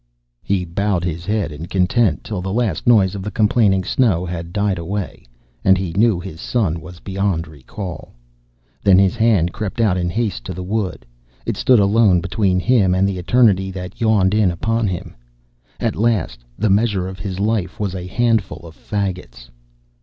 He bowed his head in content till the last noise of the complaining snow had died away, and he knew his son was beyond recall. Then his hand crept out in haste to the wood. It alone stood between him and the eternity that yawned in upon him. At last the measure of his life was a handful of fagots.